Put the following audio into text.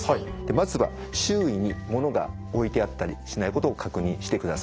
まずは周囲に物が置いてあったりしないことを確認してください。